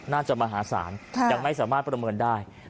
น่าจะมหาศาลยังไม่สามารถประเมินได้